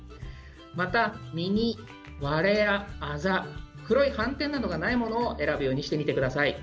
また、実に割れやあざ黒い斑点などがないものを選ぶようにしてみてください。